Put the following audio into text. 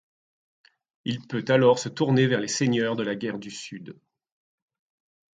Il peut alors se tourner vers les seigneurs de la guerre du Sud.